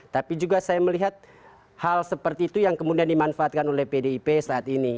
tapi juga saya melihat hal seperti itu yang kemudian dimanfaatkan oleh pdip saat ini